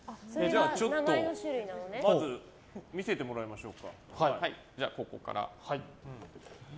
まず見せてもらいましょうか。